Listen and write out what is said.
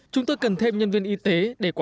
chúng tôi cần thêm nhân viên y tế